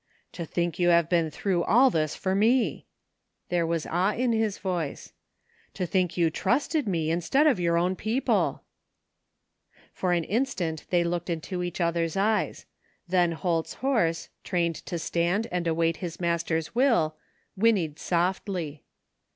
" To think you have been through all this for me." There was awe in his voice. " To think you trusted me instead of your own people !" For an instant they looked into each other's eyes ; 183 THE FINDING OF JASPER HOLT then Holt*s horse, trained to stand and await his master's will, whinnied softly.